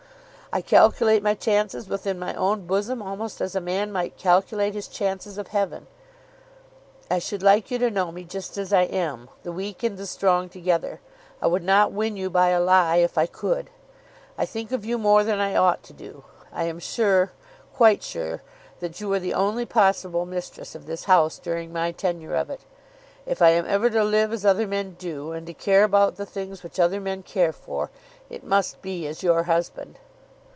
I calculate my chances within my own bosom almost as a man might calculate his chances of heaven. I should like you to know me just as I am, the weak and the strong together. I would not win you by a lie if I could. I think of you more than I ought to do. I am sure, quite sure that you are the only possible mistress of this house during my tenure of it. If I am ever to live as other men do, and to care about the things which other men care for, it must be as your husband."